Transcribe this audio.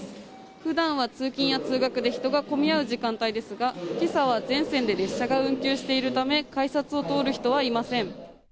普段は通勤や通学で人が混み合う時間帯ですが今朝は全線で列車が運休しているため改札を通る人はいません